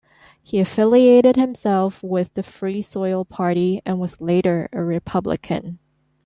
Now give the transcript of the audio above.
He affiliated himself with the Free Soil Party and was later a Republican.